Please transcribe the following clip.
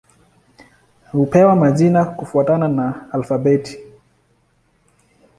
Hupewa majina kufuatana na alfabeti.